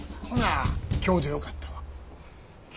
ほな今日でよかったわ。